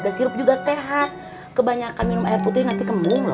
dan sirup juga sehat kebanyakan minum air putih nanti kembung lho